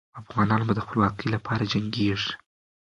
افغانان به د خپلواکۍ لپاره جنګېږي.